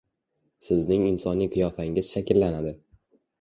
Sizning insoniy qiyofangiz shakllanadi.